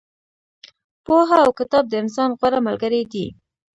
پوهه او کتاب د انسان غوره ملګري دي.